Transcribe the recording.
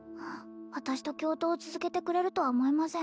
私と共闘を続けてくれるとは思えません